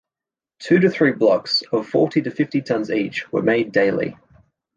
Two to three blocks, of forty to fifty tons each, were made daily.